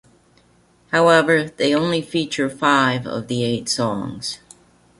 However, they only feature five of the eight songs.